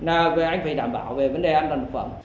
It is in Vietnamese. anh phải đảm bảo về vấn đề an toàn thực phẩm